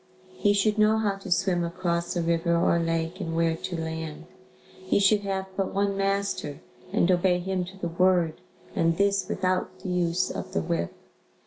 He should know how to swim across a river or lake and where to land. He should have but one master and obey him to the word and this without the use of the whip.